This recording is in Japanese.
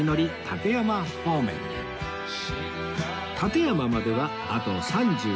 館山まではあと３５キロ